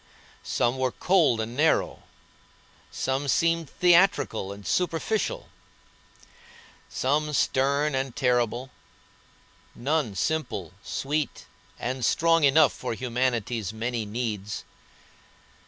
Some were cold and narrow, some seemed theatrical and superficial, some stern and terrible, none simple, sweet, and strong enough for humanity's many needs.